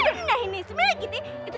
tapi nah ini semilai gitu